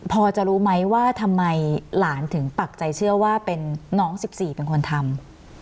พอจะรู้ไหมว่าทำไมหลานถึงปักใจเชื่อว่าเป็นน้อง๑๔เป็นคนทำ